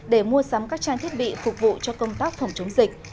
để mua sắm các trang thiết bị phục vụ cho công tác phòng chống dịch